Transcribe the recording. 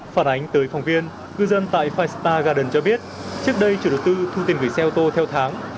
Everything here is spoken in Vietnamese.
phản ánh tới phòng viên cư dân tại five star garden cho biết trước đây chủ đầu tư thu tiền gửi xe ô tô theo tháng